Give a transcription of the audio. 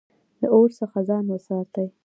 د اور څخه ځان وساتئ